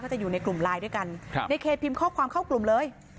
จะอยู่ในกลุ่มไลน์ด้วยกันครับในเคพิมพ์ข้อความเข้ากลุ่มเลย